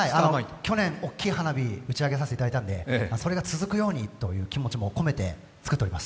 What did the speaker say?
去年大きい花火を打ち上げさせていただいたのでそれが続くようにという気持ちも込めて作っております。